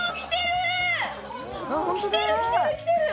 きてる！